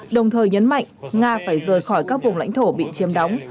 đồng thời nhấn mạnh nga phải rời khỏi các vùng lãnh thổ bị chiếm đóng